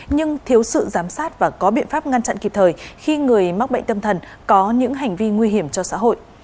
nhưng thiếu sự giám sát và có biện pháp ngăn chặn kịp thời khi người mắc bệnh tâm thần có những hành vi nguy hiểm cho xã hội